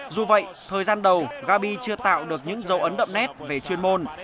dù vậy thời gian đầu gabi chưa tạo được những dấu ấn đậm nét về chuyên môn